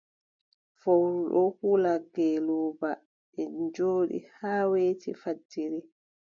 Fowru ɗon hula ngeelooba, ɓe njooɗi haa weeti fajiri.